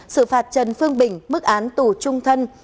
xử phạt trần phương bình mức án tù trung thân